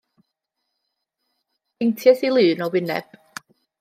Beinties i lun o wyneb.